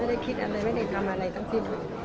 ไม่ได้คิดอะไรไม่ได้ทำอะไรทั้งสิ้น